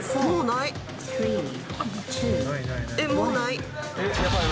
もうない。